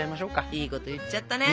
いいこと言っちゃったね